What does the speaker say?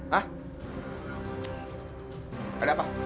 hah ada apa